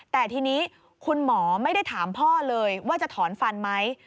แต่ทีนี้คุณหมอไม่ได้ถามพ่อเลยว่าจะถอนฟันไหม